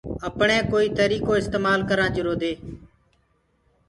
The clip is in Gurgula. اپڻي ڪوئيٚ تريٚڪو اِستمآل ڪرآنٚ جرو دي